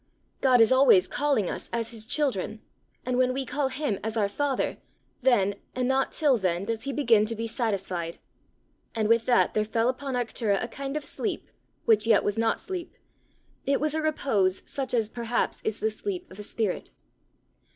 God is always calling us as his children, and when we call him as our father, then, and not till then, does he begin to be satisfied. And with that there fell upon Arctura a kind of sleep, which yet was not sleep; it was a repose such as perhaps is the sleep of a spirit.